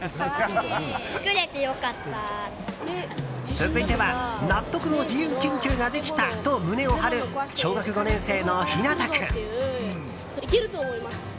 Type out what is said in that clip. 続いては、納得の自由研究ができたと胸を張る小学５年生の陽太君。